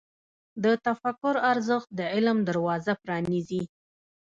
د تفکر ارزښت د علم دروازه پرانیزي.